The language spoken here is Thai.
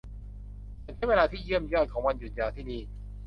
ฉันใช้เวลาที่เยี่ยมยอดของวันหยุดยาวที่นี่